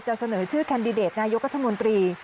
เสนอชื่อแคนดิเดตนายกรัฐมนตรี